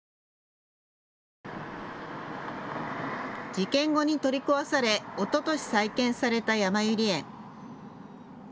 事件後に取り壊されおととし再建されたやまゆり園。